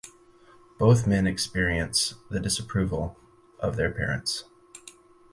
Both men experience the disapproval of their parents.